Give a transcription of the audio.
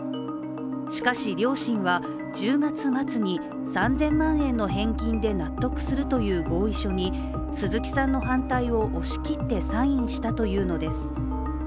しかし両親は、１０月末に３０００万円の返金で納得するという合意書に鈴木さんの反対を押し切ってサインしたというのです。